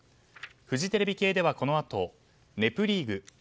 フジテレビ系ではこのあと「ネプリーグ」